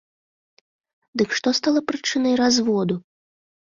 Дык што стала прычынай разводу?